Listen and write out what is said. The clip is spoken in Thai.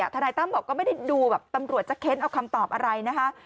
ทนายตั้มบอกก็ไม่ได้ดูแบบตำรวจจะเค้นเอาคำตอบอะไรนะคะ